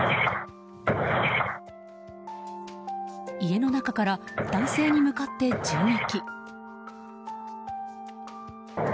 家の中から男性に向かって銃撃。